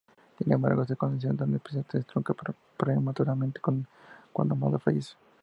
Sin embargo, esta conexión tan especial se trunca prematuramente cuando Amador fallece.